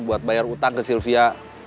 buat bayar utang ke sylvia